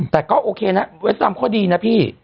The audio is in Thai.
แต่ก็โอเคนะไว้ตามข้อดีนะพี่